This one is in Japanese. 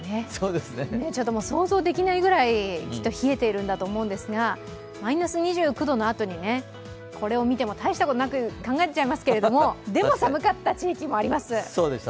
想像できないくらい冷えてるんだと思うんですがマイナス２９度のあとに、これを見てもたいしたことなく考えちゃいますけどでも、寒かった地域もあります。